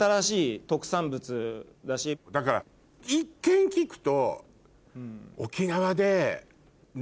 だから一見聞くと。